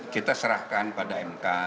kita serahkan pada mk